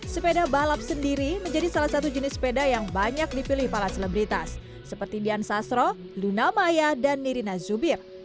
sepeda balap sendiri menjadi salah satu jenis sepeda yang banyak dipilih para selebritas seperti dian sasro luna maya dan nirina zubir